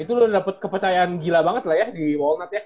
itu lo udah dapet kepercayaan gila banget lah ya di walnut ya